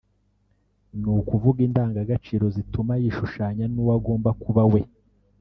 ni ukuvuga indangagaciro zituma yishushanya n’uwo agomba kuba we